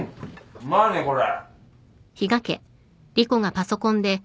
うまいねこれ。